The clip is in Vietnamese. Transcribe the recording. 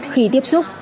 khi tiếp xúc